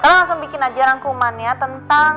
kita langsung bikin aja rangkumannya tentang